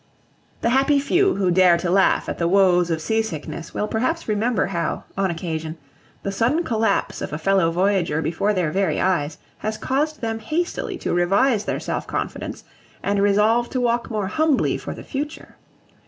The happy few who dare to laugh at the woes of sea sickness will perhaps remember how, on occasion, the sudden collapse of a fellow voyager before their very eyes has caused them hastily to revise their self confidence and resolve to walk more humbly for the future.